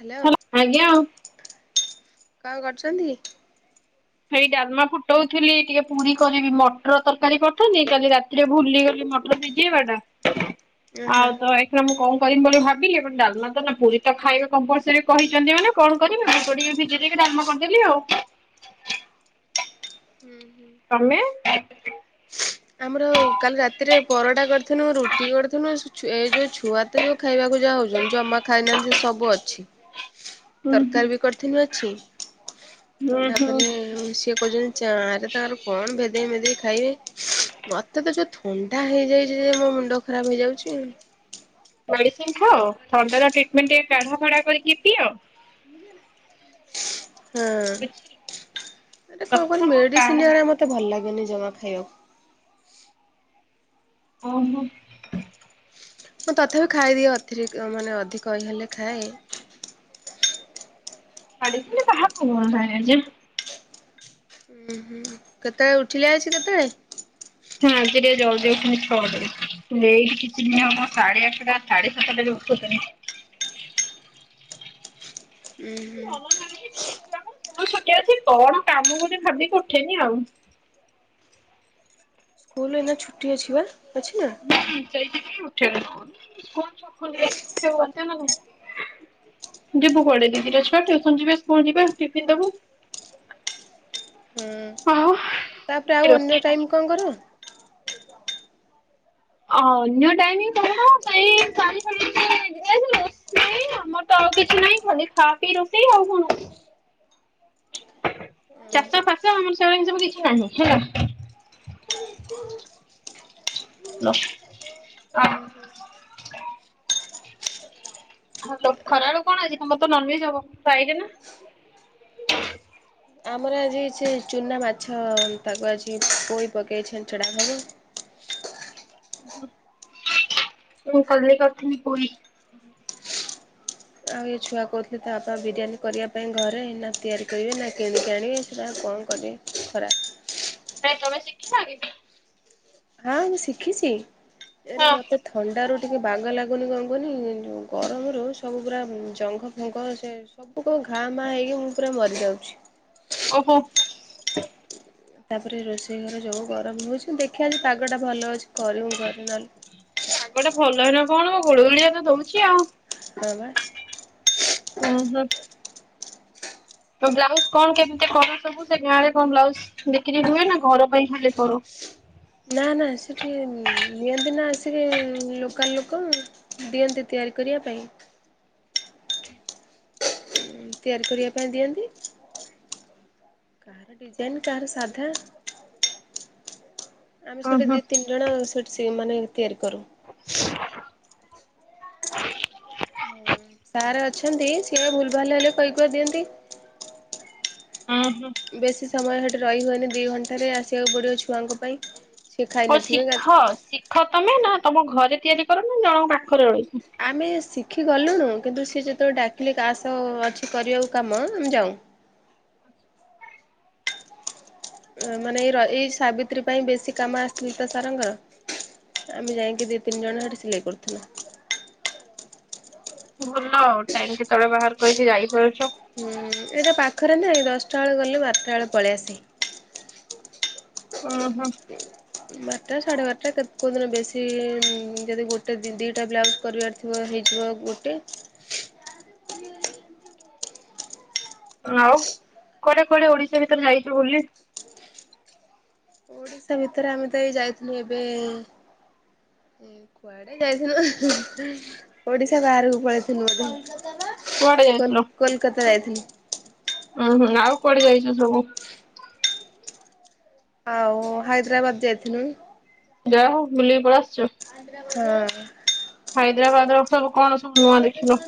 Hello. ଆଜ୍ଞା ହାଲ କାହାକୁ କରୁଛନ୍ତି? ସେଇ ଡାଲ୍ମା ଫୁଟ୍ କଟଉଥିଲି ଟିକେ ପୁରୀ କରିବି। ମଟର ତରକାରୀ କରିଥିଲି। କାଲି ରାତିରେ ଭୁଲିଗଲେ ମଟର ଭିଜେଇବାଟା। ଅ ହଁ ଆଉ ତ ଏଖା ମୁଁ କହୁ ବୋଲି ଭାବିଲି ଡାଲମା ତ ପୁରୀ ତ ଖାଇବେ କମ୍ପଲସରି କହିଛନ୍ତି ମାନେ କଣ କରିମି। ଅଳ୍ପ ଟିକେ ବିଜେଇ ଦେଇକି ଡାଲ୍ମା କରିଦେବି ଆଉ। [inaudible] ହୁଁ ହୁଁ ତମେ? ଆମର କାଲି ରାତିରେ ପରଡା କରିଥିନୁ ରୁଟି କରିଥିଲୁ। ଏଇ ଯୋଉ ଛୁଆ ତ ଯୋଉ ଖାଇବାକୁ ଯାହା ହଉଛନ୍ତି ଯମା ଖାଇ ନାହାଁନ୍ତି ସବୁ ଅଛି। ହୁଁ ହୁଁ ତରକାରୀ ବି କରିଥିଲୁ ଅଛି। ହୁଁ ହୁଁ ତାପରେ ସିଏ କହୁଛନ୍ତି। ଆରେ ତାର କଣ? ଭେଦେଇ ଭେଦେଇ ଖାଇବେ। ମତେ ତ ଯୋଉ ଥଣ୍ଡା ହେଇଯାଇଛି ଯେ ମୋ ମୁଣ୍ଡ ଖରାପ ହେଇଯାଉଛି। ମେଡିସିନ ଖାଅ ଥଣ୍ଡାର ଟ୍ରିଟମେଣ୍ଟ ଟିକେ କାଢା ଫଢା କରିକି ପିଅ। ହଁ ବୁଝିଲ ଏ କଣ କର ପ୍ରଥମ କାଢା ମେଡିସିନ ଆଣିବା ମତେ ଭଲ ଲାଗେନି। ଜମା ଖାଇଅ। ଓହୋ। ମୁଁ ତଥାପି ଖାଇଦିଏ ଅତିରିକ୍ତ ମାନେ ଅଧିକ ଇ ହେଲେ ଖାଏ। ଗାଡି ଥିଲେ କାହାକୁ ମୁଁ ଜାଣିନି। ଉଁ ହୁଁ କେତେବେଳେ ଉଠିଲେ ଆସି ତତିରେ। ହୁଁ ଆଜି ଟିକେ ଜଲଦି [unintelligible] ଏଇଠି କିଛି ଦିନ ହବ ସାଢେ ଆଠଟା ସାଢେ ସାତଟା ଯୋଉ ଉଠୁଛନ୍ତି। ଉଁ ହୁଁ। ଭଲ ନାଇ [unintelligible] ମୁଁ ଛୁଟି ଅଛି କଣ କାମ ଗୋଟେ ଭାବିକି ଉଠେନି ଆଉ। ସ୍କୁଲ ଏଇନେ ଛୁଟି ଅଛି ପା? ହୁଁ [unintelligible] [unintelligible] ଯିବୁ କୁଆଡେ ଦି ଦିଟା ଛୁଆ ଟ୍ୟୁସନ୍ ଯିବେ ସ୍କୁଲ ଯିବେ ଟିଫିନ୍ ଦେବୁ। ହୁଁଉଉ ତାପରେ ଆଉ ଅନ୍ୟ ରୋଷେଇ ନାହିଁ। ଟାଇମ୍ କଣ କର? ଅନ୍ୟ ଟାଇମ୍ କଣ ସେଇ ଶାଢ଼ୀଫାଢୀ ଟିକେ [inaudible] ରୋଷେଇ ଆମର ତ ଆଉ କିଛି ନାହିଁ ଖାଲି‌‌ ଖା ପିଇ ରୋଷେଇ ଆଉ କଣ ଚାଷଫାଷ ଆମର [unintelligible] କିଛି ନାହିଁ ହେଲା। ହାଲୋ [inaudible] [inaudible] ଖରାବେଳକୁ କଣ ଆଜି ତମର ତ ନନଭେଜ୍ ହବ ଫ୍ରାଇଡେ ନା? ଆମର ଆଜି ସେ ଚୁନା ମାଛ ତାକୁ ଆଜି ପୋଇ ପକେଇ ଛିଞ୍ଚେଡା ହେବ। ହୁଁ ମୁଁ କାଲି କରିଥିଲି ପୋଇ। ଆଉ ଏ ଛୁଆ କହୁଥିଲେ ତା ବାପା ବିରିୟାନୀ କରିବା ପାଇଁ ଘରେ ନା ତିଆରି କରିବେ ନା କିଣିକି ଆଣିବେ ସେଇଟା ଆ କଣ କରିବେ ଖରା କାଇଁ ତମେ ଶିଖିନ କି? ହଁ ମୁଁ ଶିଖିଛି। [unintelligible] ହଁ ମତେ ଥଣ୍ଡାରୁ ଟିକେ ବାଗ ଲାଗୁନି କଣ କହିଲୁ ଗରମରୁ ସବୁ ପୁରା ଜଙ୍ଘଫଙ୍ଗ ସେ ସବୁ କଣ ଘାଁମାାଁ ହେଇକି ମୁଁ ପୁରା ମରିଯାଉଛି। ଓହୋଃ। ତାପରେ ରୋଷେଇଘର ଯୋଉ ଗରମ ହଉଛି ଦେଖିବା ଆଜି ପାଗଟା ଭଲ ଅଛି କରିବୁ ଘର୍ ନଲ୍ ପାଗଟା ଭଲ ହେଇନା କଣ ଗୁଳୁଗୁଳିଆ ତ ଦଉଛି ଆଉ ହଁ ପା। ତ ବ୍ଲାଉଜ କଣ କେମିତି କର ସବୁ ସେ ଗାଁ ରେ କଣ ବ୍ଲାଉଜ ବିକ୍ରି ହୁଏ ନା ଘର ପାଇଁ ଖାଲି କରୁ? ନା ନା ସେଠି ନିଅନ୍ତି ନା ଆସିକି ଲୋକାଲ୍ ଲୋକ ଦିଅନ୍ତି ତିଆରି କରିବା ପାଇଁ। ତିଆରି କରିବା ପାଇଁ ଦିଅନ୍ତି କାହାର ଡିଜାଇନ୍ କାହାର ସାଧା। ଆମେ ଉଁ ସେଠି ହୁଁ ଦି ତିନିଜଣ ସେଠ୍ ସେ ମାନେ ତିଆରି କରୁ। [inaudible] ସାର୍ ଅଛନ୍ତି ସିଏ ଭୁଲଭାଲ୍ ହେଲେ କହିକୁହା ଦିଅନ୍ତି। ଉଁ ହୁଁ। ବେଶୀ ସମୟ ସେଠି ରହି ହୁଏନି ଦି ଘଣ୍ଟାରେ ଆସିବାକୁ ପଡ଼ିବ ଛୁଆଙ୍କ ପାଇଁ। ସିଏ ହଉ ଖାଇନଥିବେ ଗା ଶିଖ ଶିଖ। ତମେ ନା ତମ ଘରେ ତିଆରି କର ନା ଜଣଙ୍କ ପାଖରେ [inaudible] ଆମେ ଶିଖି ଗଲୁଣୁ କିନ୍ତୁ ସିଏ ଯେତେବେଳେ ଡାକିଲେ କାସ ଅଛି କରିବାକୁ କାମ ମୁଁ ଯାଏ। ମାନେ ଏଇ ର ଏଇ ସାବିତ୍ରୀ ପାଇଁ ବେଶୀ କାମ ଆସିିନି ତ ସାରଙ୍କର। ଆମେ ଯାଇକି ଦି ତିନି ଜଣ ହେଠି ଥିଲେ। କରୁଥିଲା। ଭଲ ଆଉ ଟାଇମ୍ କେତେବେଳେ ବାହାର କରିକି ଯାଇପାରୁ ହୁଁ ଉଁ ଏଇଟ ପା ପାଖରେ ନୁହେଁ ଦଶଟା ବେଳେ ଗଲେ ବାରଟା ବେଳେ ପଳେଇଆସେ। ଉଁ ହୁଁ ମା ଟା ସାଢ଼େ ବାରଟା କେତେ କୋଉ ଦିନ ବେଶୀ ଇ-ଇ-ଇ ଯଦି ଗୋଟେ ଦିଟା ବ୍ଲାଉଜ କରିବାର ଥିବ ହେଇଯିବ ଗୋଟେ। ଆଉ କୁଆଡେ କୁଆଡେ ଓଡିଶା ଭିତରେ ଯାଇଛ ବୁଲି? ଓଡିଶା ଭିତରେ ଆମେ ତ ଏଇ ଯାଇଥିଲୁ ଏବେ ଏ-ଏ-ଏ କୁଆଡେ ଯାଇଥିଲୁ ଓଡିଶା ବାହାରକୁ ପଳେଇଥିଲୁ ବୋଧେ। କୁଆଡେ କଲ ଯାଇଥିଲ? କୋଲକତା ଯାଇଥିଲୁ। ଉୁଁ ହୁଁ ଆଉ କୁଆଡେ ଯାଇଛ ସବୁ? ଆଉ ହାଇଦ୍ରାବାଦ ଯାଇଥିଲୁ। ଯାହା ହଉ ବୁଲିକି ପଳେଇ ଆସିଛୁ। ହଁ ହାଇଦ୍ରାବାଦ ର ସବୁ କଣ ସ ମୁହଁ ଦେଖିନୁ।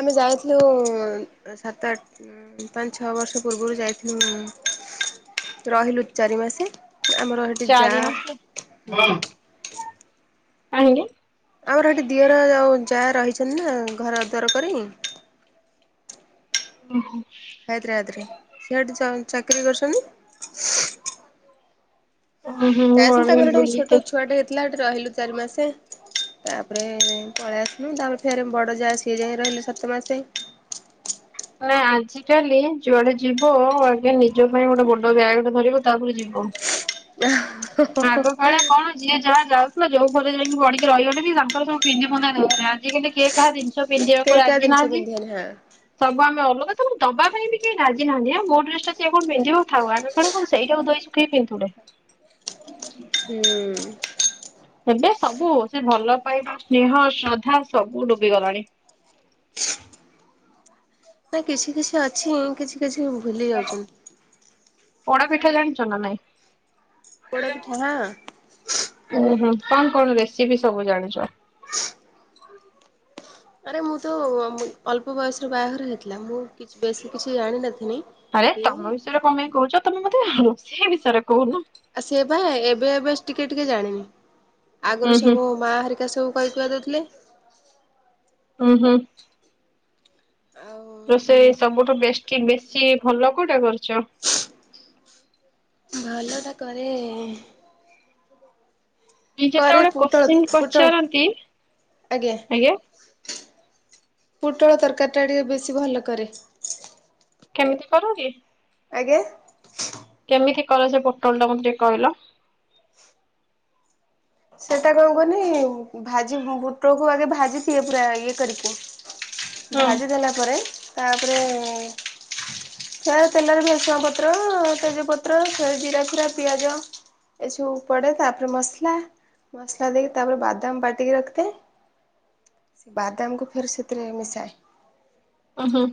ଆମେ ଯାଇଥିଲୁ ଉ-ଉ-ଉ ସାତ ଆଠ ଉଁ ପାଞ୍ଚ ଛଅ ବର୍ଷ ପୂର୍ବରୁ ଯାଇଥିଲୁ ଉ-ଉ-ଉ ରହିଲୁ ଚାରି ମାସେ। ଆମର ଏଠି ଯା, ଚାରି ମାସେ ହୁଁ। କାହିଁକି? ଆମର ଏଠି ଦିଅର ଆଉ ଯା ରହିଛନ୍ତି ନା ଘର ଦ୍ୱାର କରି। ଓହୋ। ହାଇଦ୍ରାବାଦରେ ସିଆଡେ ଚନ ଚାକିରି କରିଚନ୍ତି। ଉଁ ହୁଁ ମୁଁ ଯାଇଥିଲୁ ତାଙ୍କର ଭାବିଲି ଗୋଟେ ବୁଲିତେ ଛୋଟ ଛୁଆଟେ ହେଇଥିଲା ରହିଲୁ ଚାରି ମାସେ ତାପରେ ପଳେଇ ଆସିଲୁ। ତାପରେ ଫେରେ ବଡ଼ ଯା ସିଏ ଯାଏ ରହିଲେ ସାତମାସେ। ନା ଆଜିକାଲି ଯୁଆଡେ ଯିବ ଆଗେ ନିଜ ପାଇଁ ଗୋଟେ ବଡୋ ବ୍ୟାଗ ଟେ ଧରିବ ତାପରେ ଯିବ। ଆଗ କାଳେ କଣ ଯିଏ ଯାହା ଯାଉ ଯୋଉ ଘରେ ଜାଇଁକି ପଢିକି ରହିଗଲେ ବି ତାଙ୍କର ସବୁ ପିନ୍ଧି ପୁନ୍ଧା ଦଉଥିଲେ। ଆଜିକାଲି କିଏ କାହା ଜିନିଷ କେହି ପିନ୍ଧିଆକୁ କାହା ରାଜି ଜିନିଷ ନାହାନ୍ତି। ପିନ୍ଧିବେନି ହଁ ସବୁ ଆମେ ଅଲଗା ତ ଦବା ପାଇଁ ବି କେହି ରାଜି ନାହାନ୍ତି। ଆ ମୋ ଡ୍ରେସ ଟା ସିଏ କଣ ପିନ୍ଧିବ ଥାଉ। ଆମେ କ କଣ ସେଇଟାକୁ ଧୋଇ ଶୁଖେଇ ପିନ୍ଧୁଥିଲେ। ହୁଁ। ଏବେ ସବୁ ସେ ଭଲ ପାଇବା, ସ୍ନେହ, ଶ୍ରଦ୍ଧା ସବୁ ଡୁବି ଗଲାଣି। ନାଁ କିଛି କିଛି ଅଛି କିଛି କିଛି ହଁ ଭୁଲି ଯାଉଛନ୍ତି। ପୋଡ଼ ପିଠା ଜାଣିଛ ନା ନାଇଁ? ପୋଡ଼ପିଠା ହଁ ଓ ହୋ କଣ କଣ ରେସିପି ସବୁ ଜାଣିଛ? ଆରେ ମୁଁ ତ-ଅ-ଅ ଅଳ୍ପ ବୟସରେ ବାହାଘର ହେଇଥିଲା। ମୁଁ କିଛି ବେଶୀ କିଛି ଜାଣିନଥିଲି। ଆରେ ଏ ତମ ବିଷୟରେ କଣ ପାଇଁ କହୁଛ ତମେ ମୋ [unintelligible] ସେ ବିଷୟରେ କହୁନ? ଆ ସେ ବା ଏବେ ଏବେ ଟିକେ ଟିକେ ଜାଣିନି। ହୁଁ ଆଗରୁ ହୁଁ ସବୁ ମା ହେରିକା ସବୁ କହି କୁହା ଦଉଥିଲେ। ହଁ ହୁଁ। [unintelligible] ତ ସେ ସବୁଠୁ ବେଶ ବେଶୀ ଭଲ କୋଉଟା କରୁ ଚ ଭଲ ଟା କରେ କରେ ନିଜେତେବେଳେ ପୋଟଳ କୋଶ୍ଚିିନ ପୋଟଳ ପଚାରନ୍ତି, ଆଜ୍ଞା। ପୁଟଳ ତରକାରୀଟା ଟିକେ ବେଶୀ ଭଲ କରେ। କେମିତି କର କି? ଆଜ୍ଞା। କେମିତି କର ସେ ପୋଟଳ ଟା ମୋତ ଟିକେ କହିଲ? ସେଟା କଣ କୁଅନି, ଭାଜି ବୁଟଳକୁ ଆଗେ ଭାଜିଦିଏ, ପୁରା ଇଏ କରିକି। ହୁଁ ଭାଜି ଦେଲା ପରେ ତାପରେ, ସେଟା ତେଲରେ ବୁସଣ ପତ୍ର, ତେଜପତ୍ର, ସେଇ ଜିରା ଫିରା, ପିଆଜ ଏସବୁ ପଡେ। ତାପରେ ମସଲା। ମସଲା ଦେଇକି ତାପରେ ବାଦାମ ବାଟିକି ରଖିଥାଏ। ସେ ବାଦାମକୁ ଫେର ସେଥିରେ ମିଶାଏ। ଉ, ହୁଁ।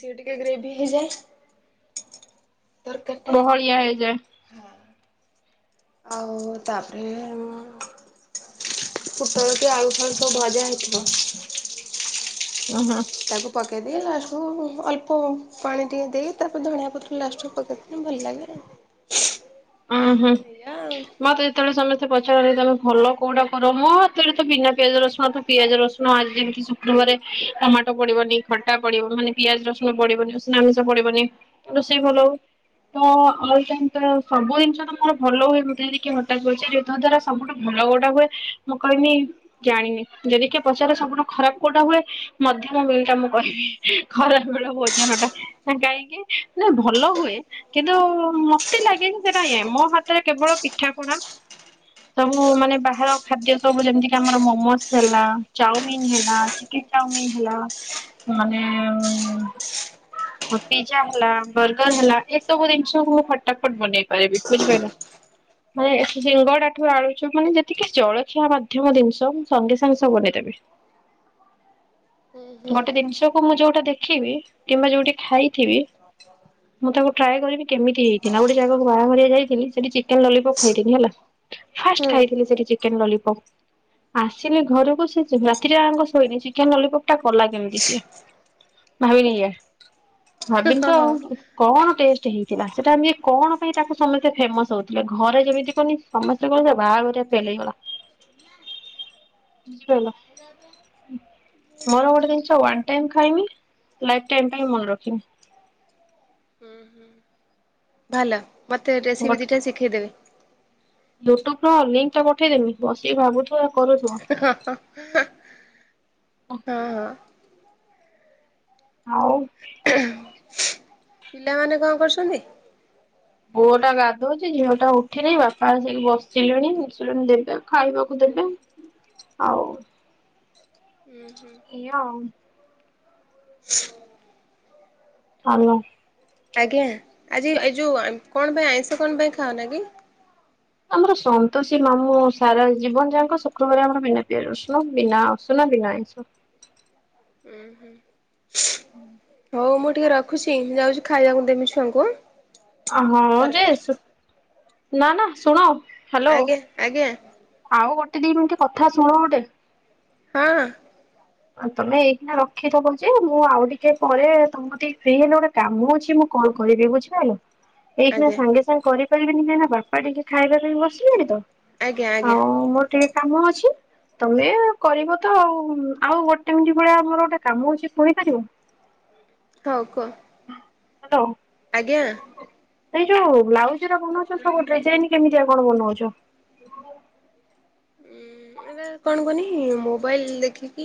ସିଏ ଟିକେ ଗ୍ରେଭି ହେଇଯାଏ। ବହଳିଆ ହେଇଯାଏ। ହଁ। ଆଉ ତାପରେ, [unintelligible] ପୂଟଳଟି ଆଳୁ ଫାଳୁ ସବୁ ଭାଜେ ଆଣିଥିବ। ଉ ହୁଁ। ପକେଇକି ଲାଷ୍ଟକୁ ଅଳ୍ପ ପାଣି ଟିକେ ଦେଇ ତାପରେ ଧଣିଆ ପତ୍ର ଲାଷ୍ଟକୁ ପକେଇଦଲେ, ଭଲ ଲାଗେ। ଉ, ହୁଁ। ଏଇଆ ଆଉ ମତେ ଯେତେବେଳେ ସମ ମତେ ପଚାର ତମେ ଭଲ କଉଟା କର, ମୋର ହାତଳେ ତ ବିନା ପିଆଜ ରସୁଣଠୁ ପିଆଜ ରସୁଣ ଆଜି ଯେମିତି ଶୁକ୍ରବାର ଟମାଟ ପଡିବନି, ଖଟା ପଡିବନି, ମାନେ ପିଆଜ ରସୁଣ ପଡିବନି, ଉଷନା ଆମିଷ ପଡିବନି। ରୋଷେଇ ଭଲ ହବ ତ [unintelligible] ସବୁ ଜିନିଷ ତ ମୋର ଭଲ ହୁଏ ଯେମିତି କିଏ ହଠାତ୍ ବଚେ ଯୋ ଦ୍ଵାରା ସବୁଠୁ ଭଲ ଗୋଉଟା ହୁଏ, ମୁଁ କହିବି ଜାଣିନି। ଯଦି କିଏ ପଚାରେ ସବୁଠୁ ଖରାପ କଉଟା ହୁଏ, ମଧ୍ୟମ [unintelligible] ଟା ମୁଁ କହିବି। ଖରାପ ବେଳ ଓଜନ ଟା ନା କାହିଁକି ନା ଭଲ ହୁଏ କିନ୍ତୁ ମତେ ଲାଗେନି ସେଟା ଏ ମୋ ହାତରେ କେବଳ ପିଠା ପଣା, ସବୁ ମାନେ ବାହାର ଖାଦ୍ୟ ସବୁ ଯେମିତି ଆମର ମୋମୋସ୍ ହେଲା, ଚାଉମିନ ହେଲା, କି ଚାମିନ ହେଲା, ମାନେ ପ ପିଜା ହେଲା, ବର୍ଗର ହେଲା, ଏସବୁ ଜିନିଷକୁ ମୁଁ ଫଟା ଫଟ ବନେଏ। [unintelligible] ମାନ ସିଙ୍ଗଡାଠୁ ଆଳୁଛୁ ମାନେ ଯେତିକି ଜଳଖିଆ ମାଧ୍ୟମ ଜିନିଷ, ମୁ ସଙ୍ଗେ ସାଙ୍ଗେ ସବୁ ବନେଇଦେବି। ହୁଁ ହୁଁ ଗୋଟେ ଜିନିଷକୁ ମୁଁ ଯଉଟା ଦେଖିବି କିମ୍ବା ଯଉଠି ଖାଇଥିବି, ମୁଁ ତାକୁ ଟ୍ରାଏ କରିବି କେମିତି ହେଇଥିଲା ଗୋଟେ ଜାଗାକ ବାହାଘରେ ଯାଇଥିଲି, ସେଠି ଚିକେନ ଲଲିପପ ଖାଇଥିଲି ହେଲା। ଫାଷ୍ଟ ଖାଇଥିଲି ହୁଁ ସେଠି ଚିକେନ ଲଲିପପ। ଆସିଲି ଘରକୁ ସେ ରାତିରେ ଯାକ ଶୋଇନି। ଚିକେନ ଲଲିପପ ଟା କଲା କେମିତି ସେ ଭାବିଲି ଭାବିନି ହଁ ତ ହଁ। ଆଉ କଣ ଟେଷ୍ଟ ହେଇଥିଲା ସେଟା ଆମେ କଣ? ତାକୁ ସମସ୍ତେ ଫେମସ ହଉଥିଲେ, ଘରେ ଯେମିତି କନି ସମସ୍ତେ କହିଲେ ବାହାଘର ଫେଲ ହେଇଗଲା। ମୋର ଗୋଟେ ଜିନିଷ ହେଲା ବାଣ୍ଟିକି ଖାଇବି। ଲାଇଫ ଟାଇମ୍ ପାଇଁ ମନେ ରଖିବ। ଭଲ। ମତେ ରେସିପି ଟିକେ ଶିଖେଇଦେବେ। ୟୁଟ୍ୟୁବର ଲିଙ୍କଟା ପଠେଇ ଦେବି, ବସିକି ଭାବୁଥିବ। କରୁଥିବ। ଓ। ହଁ ହଁ ହଉ। ପିଲାମାନେ କଣ କରୁଚନ୍ତି? ପୁଅ ଟା ଗାଧଉଚି, ଝିଅଟା ଉଠିନି, ବାପା ସେକି ବସିଲେଣି। ଉଠିଲେ ଦେବେ ଖାଇବାକୁ ଦେବି। ଆଉ ହେଲା ଆଉ। [unintelligible] ହେଲା। ଆଜ୍ଞା। ଆଜି ଏଇ ଯଉ କଣ ପାଇଁ ଆଇଁଷ କଣ ପାଇଁ ଖାଅନା କି? ଆମର ସନ୍ତୋଷୀ ମାମୁଁ ସାରା ଜୀବନ ଯାକ ଶୁକ୍ରବାର ଆମର ବିନା ପିଆଜ ରସୁଣ ବିନା ଉସୁନା ବିନା ଆଇଁଷ। ହୁଁ ହୁଁ। ହୋଉ ମୁଁ ଟିକେ ରଖୁଚି ଯାଉଚି ଖାଇବାକୁ ଦେମି ଛୁଆଙ୍କୁ ଆଂ। ଅ ହଁ ଯେ ସୁ ନା ନା ଶୁଣ ଆଜ୍ଞା ଆଜ୍ଞା। ଦିଇ ମିନିଟ୍ କଥା ଶୁଣ ଗୋଟେ। ହଁ। ତମେ ଏଇଖିନା ରଖିଦବ ଯେ ମୁଁ ଆଉ ଟିକେ ପରେ ତମ କତିକି ଟିକେ ଫ୍ରି ହେଲେ ଗୋଟେ କାମ ଅଛି ମୁଁ କଲ୍ କରିବି ବୁଝିପାରିଲ। ଏଇଖିନା ଆଜ୍ଞା ସାଙ୍ଗେ ସାଙ୍ଗେ କରି କହିବି ଟିକେ ଏଇନା ବାପା ଟିକେ ଖାଇବା ପାଇଁ ବସିଲେଣିତ। ଆଜ୍ଞା ଆଜ୍ଞା। କାମ ଅଛି ତମେ କରିବ ତ ଆଉ ଆଉ ଗୋଟେ ମିନିଟ ଭଳିଆ ମୋର ଗୋଟେ କାମ ଅଛି ଶୁଣି ପାରିବ? ହୋଉ କୁହ। [inaudible] ଆଜ୍ଞା। ଏଇ ଯୋଉ ବ୍ଲାଉଜଉରା ବନୋଉଚ ସବୁ ଦିଜାଇନ କେମିତିଆ କଣ ବନୋଉଚ? ଉଁ ଏଟା କଣ କହନି ମୋବାଇଲ ଦେଖିକି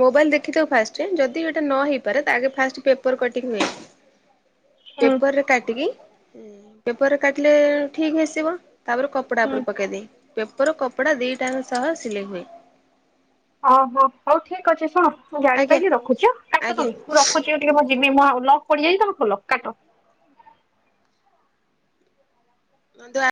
ମୋବାଇଲ ଦେଖିଦୋବୁ ଫାଷ୍ଟ ଯଦି ଏଟା ନହେଇପାରେ ତା ଆଗେ ଫାଷ୍ଟ ପେପର କଟିଙ୍ଗ ହୁଏ। ହୁଁ ପେପରରେ କାଟିକି ପେପରରେ କାଟିଲେ ଠିକ ଆସିବ। ତାପରେ କପଡ଼ା ହୁଁ। ଉପରେ ପକେଇ ଦେଇ [inaudible] ଉପର କପଡା ଦିଟାଙ୍କ ସହ ସିଲେଇ ହୁଏ। ଓହୋ ହଉ ଠିକ ଅଛି ଶୁଣୁ ମୁଁ ଆଜ୍ଞା ଜାଣିପାଇଲି ରଖୁଚି ଆଂ କାଟ ଆଜ୍ଞା ତମେ ମୁଁ ରଖୁଚି ଟିକେ ମୋ ଜିମି ମୁଁ ଆଉ ଲକ୍ ପଡିଯାଇଚି ତମେ ଖୋଲ କାଟ। ମୁଁ ତ